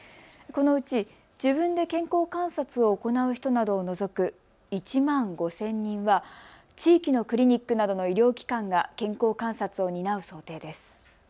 このうち自分で健康観察を行う人などを除く１万５０００人は地域のクリニックなどの医療機関が健康観察を担う想定です。